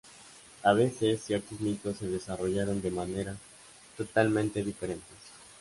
A veces, ciertos mitos se desarrollaron de maneras totalmente diferentes.